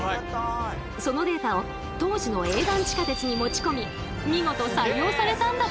そのデータを当時の営団地下鉄に持ち込み見事採用されたんだとか。